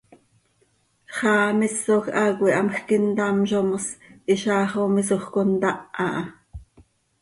¿Xaa misoj haa cöihamjc intamzo mos, hizaax oo misoj oo contáh aha?